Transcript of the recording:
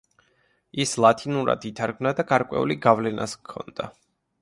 ის ლათინურად ითარგმნა და გარკვეული გავლენაც ჰქონდა.